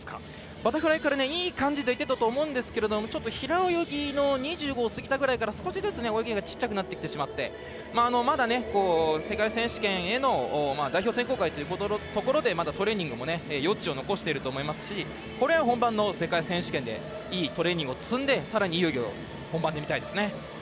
バタフライからいい感じでいってたと思うんですけど平泳ぎの２５を過ぎたくらいから少しずつ泳ぎがちっちゃくなってきてまだ世界選手権への代表選考会でのまだトレーニングも余地を残してると思いますしこれは本番の世界選手権でいいトレーニングを積んでさらにいい泳ぎを本番で見たいですね。